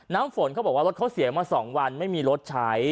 น้ำฝนเขาบอกว่ารถเขาเสียมา๒วันไม่มีรถใช้